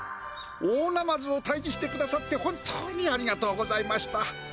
大ナマズをたいじしてくださって本当にありがとうございました。